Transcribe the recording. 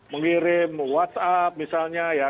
mengirim whatsapp misalnya ya